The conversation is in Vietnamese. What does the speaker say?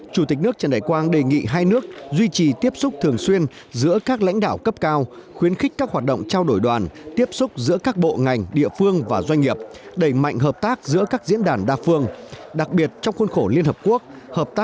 chủ tịch nước trần đại quang bày tỏ vui mừng về những thành tiệu mà nhà nước và nhân dân ai cập đã đạt được trong thời gian qua